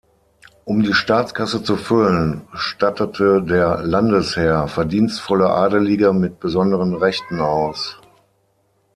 Um die Staatskasse zu füllen, stattete der Landesherr verdienstvolle Adelige mit besonderen Rechten aus.